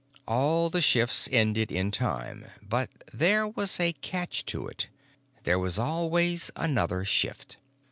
All the shifts ended in time. But there was a catch to it: There was always another shift.